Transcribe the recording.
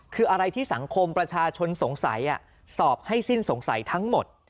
คืออะไรที่สังคมประชาชนสงสัยสอบให้สิ้นสงสัยทั้งหมด